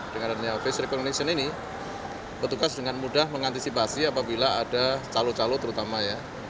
dengan ofisial recognition ini petugas dengan mudah mengantisipasi apabila ada calo calo terutama ya